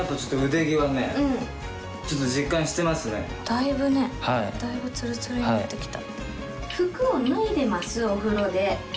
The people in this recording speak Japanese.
だいぶねだいぶツルツルになってきた。